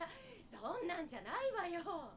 そんなんじゃないわよ。